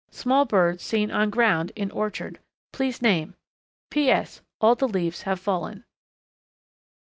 Small bird seen on ground in orchard. Please name. P. S. All the leaves have fallen."